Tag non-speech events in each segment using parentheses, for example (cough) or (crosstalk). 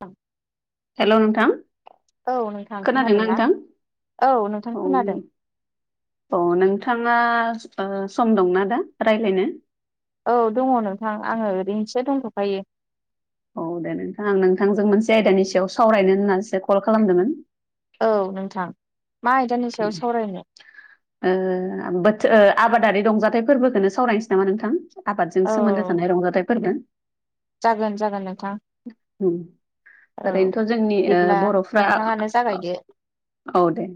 औ हेलौ नोंथां औ नोंथां खोनादोंना औ नोंथां खोनादों अ नोंथाङा सम दंना दा रायज्लायनो औ दङ नोंथां आङो ओरैनोसो दंथ'खायो औ दे नोंथां आं नोंथांजों मोनसे आयदानि सायाव सावरायनो होननानैसो कल खालामदोंमोन औ नोंथां मा आयदानि ओ सायाव सावरायनो आबाद ओ आबाद आरि रंजाथाइ फोरबोखौनो सावरायनोसै नामा नोंथां औ आबादजों सोमोन्दो थानाय रंजाथाइ फोरबो जागोन जागोन नोंथां उम, औ ओरैनोथ' जोंनि ओ बिदिब्ला बर'फ्रा नोंथाङानो जागायदो औ दे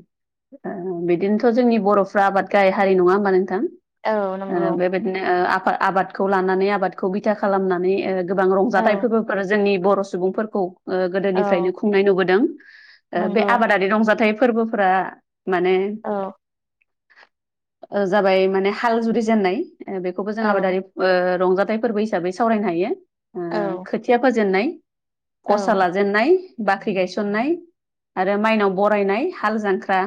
बिदिनोथ' जोंनि बर'फ्रा आबाद गाहाइ हारि नङा होमबा नोंथां औ नंगौ ओ बेबायदिनो ओ आबादखौ लानानै आबादखौ बिथा खालामनानै ओ गोबां औ रंजाथाइ फोरबोफोर जोंनि बर' सुबुंफोरखौ ओ औ गोदोनिफ्रायनो खुंनाय नुबोदों। ओ बे नंगौ आबादारि रंजाथाइ फोरबोफोरा माने औ ओ जाबाय माने हाल जुरिजेननाय बेखौबो जों औ आबादारि ओ रंजाथाइ फोरबो हिसाबै सावरायनो हायो ओ औ खोथिया फोजेननाय गसा औ लाजेननाय बाख्रि गायसननाय आरो माइनाव बरायनाय हाल जांख्रा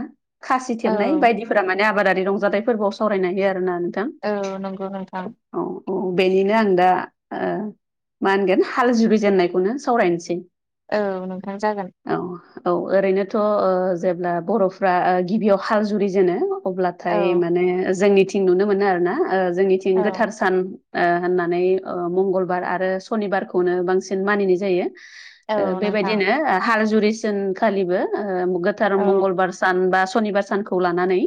खासि औ थेबनाय बायदिफोरा माने आबादारि रंजाथाइ फोरबोआव सावरायनो हायो आरोना नोंथां औ नंगौ नोंथां औ औ बेनिनो आं दा ओ मा होनगोन हाल जुुबिजेननायखौनो सावरायनोसै औ नोंथां जागोन औ औ ओरैनोथ' जेब्ला बर'फ्रा गिबियाव हाल जुरि जेनो औ अब्लाथाय माने जोंनिथिं नुनो मोनो आरोना जोंनिथिं औ गोथार सान ओ होननानै ओ मंगलबार आरो सनिबारखौनो बांसिन मानिनाय जायो ओ औ नोंथां बेबायदिनो हाल जुरि जेनखालिबो ओ गोथार औ मंगलबार सानबा सनिबार सानखौ लानानै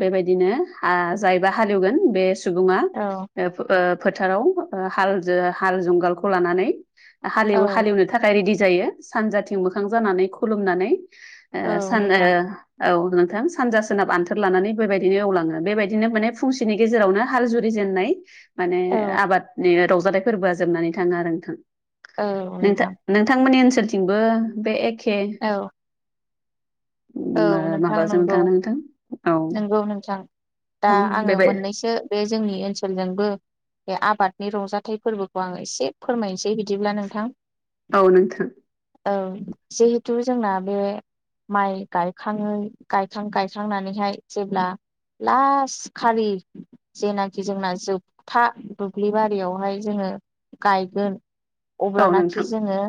बेबायदिनो हा जायबा हालेवगोन बे सुबुङा औ ओ फोथाराव हाल ओ हाल जुंगालखौ लानानै औ हालेव हालेवनो थाखाय रेडि जायो सानजाथिं मोखां जानानै खुलुमनानै औ ओ सान नोंथां ओ औ नोंथां सानजा सोनाब आन्थोर लानानै बेबायदिनो एवलाङो बेबायदिनो माने फुंसेनि गेजेरावनो हाल जुरि जेन होननाय माने औ आबादनि रंजाथाइ फोरबोआ जोबनानै थाङो आरो नोंथां नोंथां नोंथांमोननि ओनसोलथिंबो बे एखे औ औ नों माबाजों थां नोंथां औ नंगौ नोंथां दा औ आङो बेबाय मोननैसो बे जोंनि ओनसोलजोंबो बे आबादनि रंजाथाइ फोरबोखौ आङो एसे फोरमायनोसै बिदिब्ला नोंथां औ नोंथां औ जिहेथु जोंना बे माइ गायखां गायखां गायखांनानैहाय जेब्ला लास खारि जेनाखि जोंना जोबथा दुब्लि बारियावहाय जोङो गायगोन औ नोंथां अब्लानाखि जोङो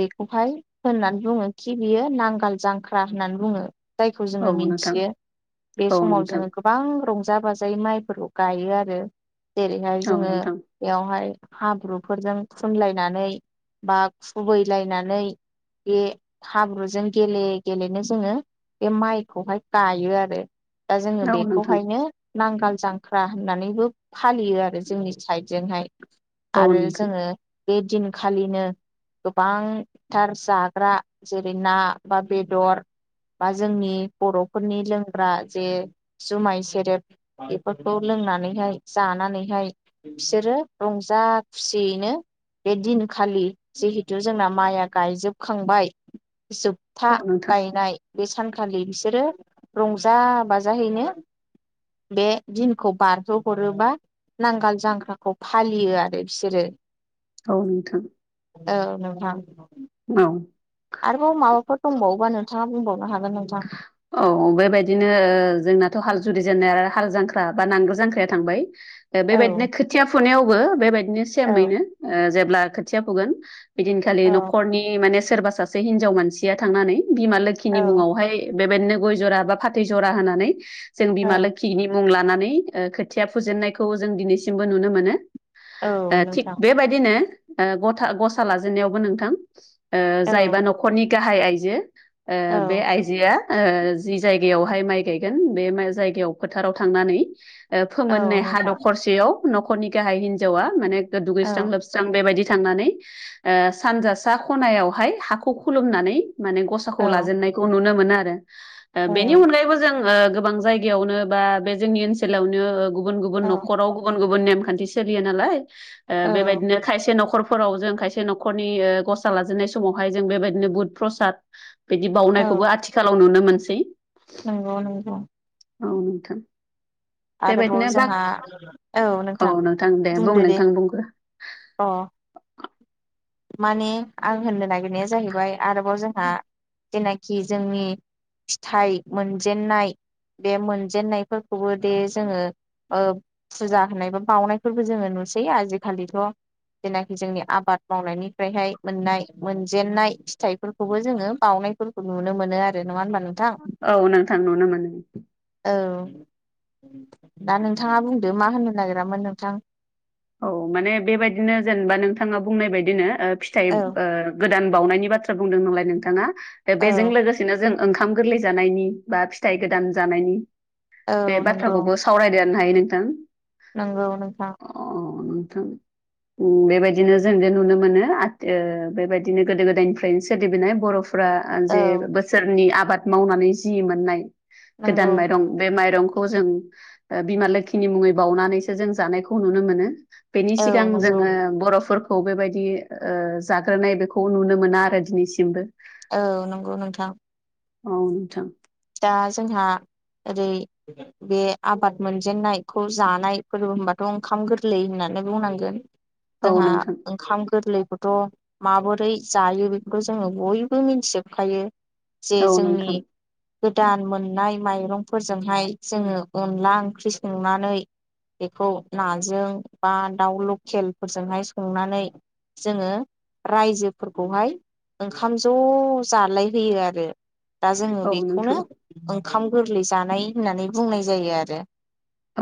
बेखौहाय होननानै बुङो खि बियो नांगाल जांख्रा होननानै बुङो जायखौ औ जोङो नोंथां मिथियो बे औ समाव नोंथां जोङो गोबां रं जा बाजायै माइफोरखौ गायो आरो जेरैहाय औ जोङो नोंथां बेयावहाय हाब्रुफोरजों खुनलायनानै बा खुबैलायनानै बे हाब्रुजों गेले गेलेनो जोङो बे माइखौहाय गायो आरो दा जोङो औ नोंथां बेखौहायनो नांगाल जांख्रा होननानैबो फालियो आरो जोंनि साइडजोंहाय औ आरो जोङो बे दिन खालिनो गोबांथार जाग्रा जेरै ना बा बेदर बा जोंनि बर'फोरनि लोंग्रा जे जुमाय सेरेब बेफोरखौ लों नानैहाय जानानैहाय बिसोरो रंजा खुसियैनो बे दिनखालि जिहेथु जोंना माइया गायजोबखांबाय जोब था नोंथां गायनाय बे सानखालि बिसोरो रंजा बाजाहैनो बे दिनखौ बारहोहरोबा नांगोल जांख्राखौ फालियो आरो बिसोरो औ नोंथां औ नोंथां औ आरोबाव माबाफोर दंबावोबा नोंथाङा बुंबावनो हा औ बेबायदिनो जोंनाथ' हाल जुरि जेननाय आरो हाल जांख्रा बा नांगोल जांख्राया थांबाय औ बेबायदिनो खोथिया फुनायावबो बेबायदिनो औ सेमैनो जेब्ला खोथिया फुगोन बिदिनखालि औ न'खरनि माने सोरबा सासे हिनजाव मानसिया थांनानै बिमा लोखिनि औ मुङाव बेबायदिनो गय जरा बा, फाथै जरा होनानै जों औ बिमा लोखिनि मुं लानानै ओ खोथिया फुजेननायखौ जों दिनैसिमबो नुनो मोनो। औ ओ थिग नोंथां बेबायदिनो ओ गथा गसा लाजेननायावबो नोंथां ओ जायबा औ न'खरनि गाहाय आइजो ओ औ बे आइजोआ ओ जि जाय बेवहाय माइ गायगोन बे जायगायाव फोथाराव थांनानै औ फोमोननाय हा नोंथां दखरसेयाव न'खरनि गाहाय हिन्जावा माने औ दुगैस्रां लोबस्रां बेबायदि थांनानै सानजा सा खनायावहाय हाखौ खुलुमनानै माने औ गसाखौ लाजेननायखौ नुनो मोनो आरो बेनि औ अनगायैबो जों ओ गोबां जायगायावनो बा बे जोंनि ओनसोलावनो गुबुन गुबुन औ न'खराव गुबुन गुबुन नेम खान्थि सोलियो नालाय ओ‌ औ बेबायदिनो खायसे नखर फोराव जों खायसे न'खरनि गसा लाजेननाय समावहाय जों बेबायदिनो बुद प्रसाद बिदि बाउ खौबो औ आथिखालाव नुनो मोनसै। नंगौ नंगौ। औ नोंथां आरोबाव बेबायदिनो बा जोंहा औ नोंथां बुंदो दे अ (inaudible) माने आं होननो नागिरनाया जाहैबाय आरोबाव जोंहा जेनाखि जोंनि फिथाइ मोनजेननाय बे मोनजेनायफोरखौबो दे जोङो ओ फुजा होनाय बा बाउनायफोरबो जोङो नुसै आजिखालिथ' जेनाखि जोंनि आबाद मावनायनिफ्रायहाय मोननाय मोनजेननाय फिथाइफोरखौबो जोङो बाउ नायफोरखौ नुनो मोनो आरो नङा होनबा नोंथां औ नोंथां नुनो मोनो। औ दा नोंथाङा बुंदो मा होननो नागिरामोन नोंथां। औ माने बेबायदिनो जेनबा नोंथाङा बुंनाय बायदिनो ओ फिथाइ औ ओ गो दान बावनायनि बाथ्रा बुंदों नालाय नोंथाङा दा औ बेजों लोगोसेनो जों ओंखाम गोरलै जानायनि बा फिथाइ गोदान जानायनि औ बे बाथ्राखौबो सावरायदेर नाय नोंथां। नोंगौ नोंथां। अ नोंथां। उम बेबायदिनो जों जे नुनो मोनो आथ ओ बेबायदिनो गोदो गोदायनिफ्रायनो सोलिबोनाय बर' फ्रा औ जे बोसोरनि आबाद मावनानै जि मोननाय गोदान नंगौ माइरं बे माइरंखौ जों ओ बिमा लोखिनि मुङै बावउनानैसो जों जानायखौ खौ नुनो मोनो बेनि औ सिगां नंगौ जोङो बर'फोर खौ बेबायदि ओ जाग्रोनाय बेखौ नुनो मोना आरो दिनैसिमबो। औ नंगौ नोंथां। अ नोंथां। दा जोंहा ओरै बे आबाद मोनजेननायखौ जानाय फोरबो होनबाथ' ओंखाम गोरलै होनना नो बुंनांगोन औ जोंहा नोंथां ओंखाम गोरलै खौथ' माबोरै जायो बेखौथ जोङो बयबो मिथिजोबखायो। जे औ जोंनि नोंथां गोदान मोननाय माइरंफोरजोंहाय जोङो अनला ओंख्रि संनानै बेखौ नाजों बा दाउ लकेलफोरजोंहाय संनानै जोङो रायजोफोरखौहाय ओंखाम ज' जाहालाय होयो आरो। दा जोङो औ बेखौनो नोंथां ओंखाम गोरलै जानाय होननानै बुंनाय जायो आरो।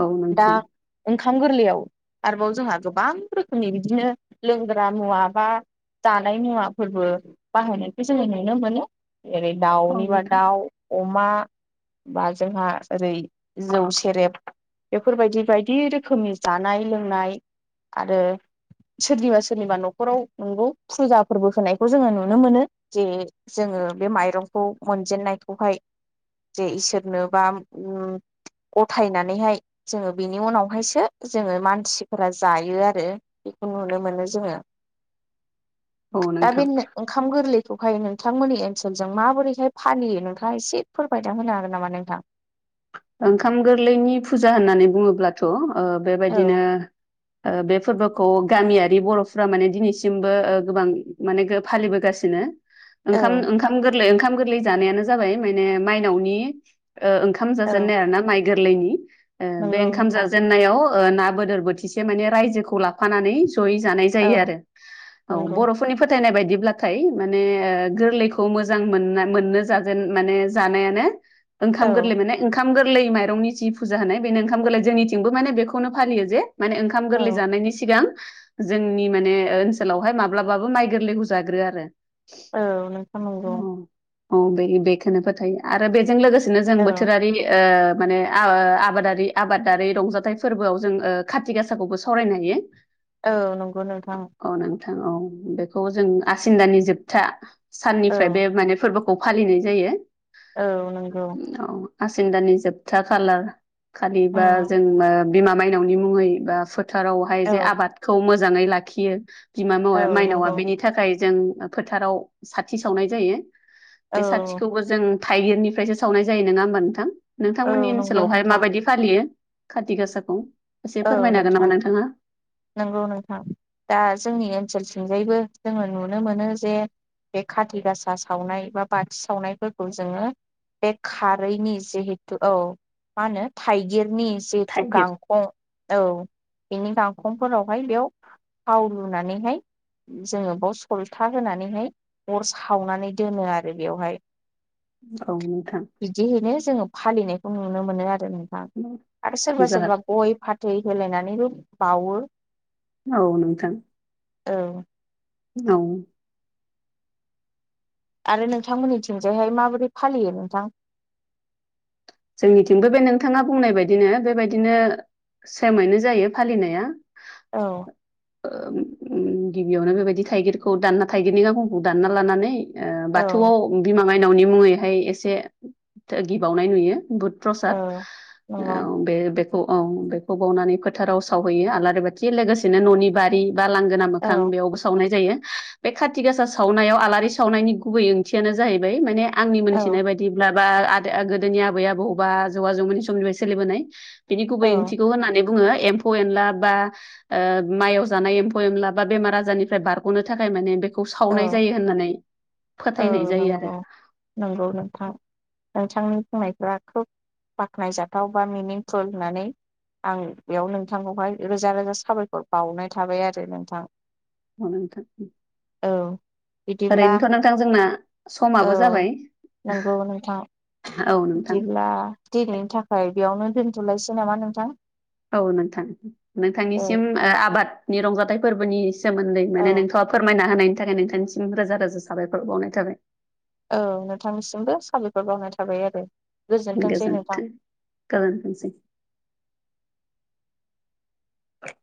औ दा नोंथां। ओंखाम गोरलैयाव आरोबाव जोंहा गोबां रोखोमनि बिदिनो लोंग्रा मुवा बा जानाय मुवाफोरबो बाहायनायखौ जोङो नुनो मोनो। जेरै औ दाउनिबा नोंथां दाउ अमा बा जोंहा ओरै जौ सेरेब बेफोर बायदि बायदि रोखोमनि जानाय लोंनाय आरो सोरनिबा सोरनिबा न'खराव नंगौ फुजा फोरबो होनायखौ जोङो नुनो मोनो जे जों ओ बे माइरंखौ मोनजेननायखौहाय जे इसोरनो बा उम गथायनानैहाय जोङो बेनि उनावहायसो जोङो मानसिफोरा जायो आरो। खौ नुनो मोनो जोङो। (inaudible) औ दा नोंथां बे ओंखाम गोरलैखौहाय नोंथांमोननि ओनसोलजों माबोरैहाय फालियो नोंथां ङा एसे फोरमायना होनो हागोन नामा नोंथां? ओंखाम गोरलैनि फुजा होननानै बुङोब्लाथ' ओ बेबायदिनो औ ओ बे फोरबोखौ गामियारि बर'फ्रा माने दिनैसिमबो ओ गोबां माने गो फालिबोगासिनो ओंखाम औ ओंखाम गोरलै ओंखाम गोरलै जानायानो जाबाय माने मायनावनि ओ ओं ओंखाम औ जाजेननाय आरो ना माइ गोरलैनि ओ बे नंगौ ओंखाम नोंथां जाजेननायाव ओ ना बोदोर बोथिसे माने रायजोखौ लाफानानै जयै जानाय औ जायो आरो औ। नंगौ बर'फोरनि फोथायनाय बाय दिब्लाथाय माने ओ गोरलैखौ मोजां मोना मोननो जाजेन माने जानायानो औ ओंखाम गोरलै माने ओंखाम गोरलै माइरंनि जि फुजा होनाय बेनो ओंखाम गोरलै जोंथिंबो माने बेखौनो फालियो जे माने ओंखाम गोरलै औ जानायनि सिगां जोंनि माने ओनसोलावहाय माब्लाबाबो माइ गोरलैखौ जाग्रोया आरो औ नोंथां नंगौ औ औ बे बेखोनो फोथायो आरो बेजों लोगोसेनो औ जोंबो ओ माने आबा आबादारि आबादारि रंजाथाइ फोरबोआव जों ओ खाथि गासाखौबो सावरायनो हायो। औ नंगौ नोंथां। औ नोंथां औ बेखौ जों आसिन दानि जोबथा औ साननिफ्राय बे माने फोरबो खौ फालिनाय जायो। औ नंगौ। आासिन दानि जोबथा खालार खालि बा उम जों ओ बिमा माइनावनि मुङै बा फोथारावहाय औ जे आबादखौ मोजाङै लाखियो बिमा औ मावाया माइनावा नंगौ बेनि थाखाय जों फोथाराव साथि सावनाय जायो बे औ साथिखौबो जों थाइगिरनिफ्रायसो सावनाय जायो नङा होमबा नोंथां औ नोंथांमोननि नंगौ ओनसोलावहाय नोंथां माबायदि फालियो? खाथि गासाखौ? एसे औ फोरमायनो हागोन नोंथां नामा नोंथाङा नंगौ नोंथां दा जोंनि ओनसोल थिंजायबो जोङो नुनो मोनो जे बे खाथि गासा सावनाय बा बाथि सावनायफोरखौ जोङो बे खारैनि जिहेथु औ मा होनो थाइगिरनि जिहेतु थाइगिर गांखं बिनि गांखंफोरावहाय बेयाव थाव लुनानैहाय जोङो बेयाव सलथा होनानैहाय अर सावनानै दोनो आरो बेवहाय औ नोंथां। बिदिहैनो जोङो फालिनायखौ नुनो मोनो आरो नोंथां आरो सोरबा सोरबा जागोन गय फाथ थै होलायनानैबो बावो औ नोंथां। औ औ आरो नोंथांमोननि थिंजायहाय माबोरै फालियो नोंथां? जोंनिथिंबो बे नोंथाङा बुंनाय बायदिनो बेबायदिनो सेमैनो जायो फालिनाया औ गिबियावनो बेबायदि थाइगिरखौ दानना थाइगिरनि गांखंखौ दानना लानानै ओ औ बाथौआव बिमा मायनावनि मुङैहाय एसे गि बावनाय नुयो बुध प्रसाद औ नंगौ ओ बे औ बेखौ बावनानै फोथाराव सावहैयो आलारि बाथि लोगोसेनो न'नि बारि बा लांगोना औ मोखां बेयावबो सावनाय जायो बे खाथि गासा सावनायाव आलारि सावनायनि गुबै ओंथियानो जाहैबाय माने आंनि औ मिथिनाय बायदिब्ला बा गोदोनि आबै आबौबा आजौ आजौमोननि समनिफ्राय सोलिबोनाय बिनि औ गुबै ओंथिखौ होननानै बुङो एम्फौ एनला बा ओ माइयाव जानाय एम्फौ एनला बा बेमार आजारनिफ्राय बारग'नो थाखाय माने बे खौ औ सावनाय जायो होननानै फोथायनाय जायो आरो नंगौ बिथांनि बुंनायफ्रा खोब बाख्नायजाथाव बा मिनिंफुल होननानै आं बेयाव नोंथांखौहाय रोजा रोजा साबायखर बावनाय थाबाय आरो नोंथां (unintelligible) औ बिदिब्ला ओरैनोथ' नोंथां जोंना औ समाबो जाबाय नंगौ नोंथां औ नोंथां बिदिब्ला दिनैनि थाखाय बेयावनो दोनथ'लायसै नामा नोंथां? औ नोंथां औ नोंथांनिसिम आबादनि रंजाथाइ फोरबोनि सोमोन्दै औ माने नोंथाङा फोरमायना होनायनि थाखाय नोंथांनिसिम रोजा रोजा साबायखर बावनाय थाबाय औ नोंथांनिसिमबो साबायखर बावनाय थाबाय आरो गोजोनथोंसै नोंथां। गोजोनथों गोजोनथोंसै (inaudible)